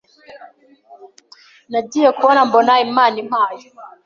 Nagiye kubona mbona Imana impaye